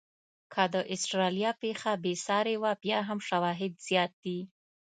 که د استرالیا پېښه بې ساري وه، بیا هم شواهد زیات دي.